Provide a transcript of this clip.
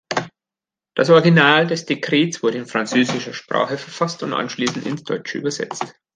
Das Original des Dekrets wurde in französischer Sprache verfasst und anschließend ins Deutsche übersetzt.